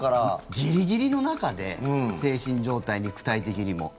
ギリギリの中で精神状態、肉体的にも。